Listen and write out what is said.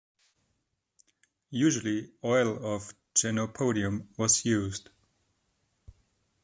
Usually, oil of chenopodium was used.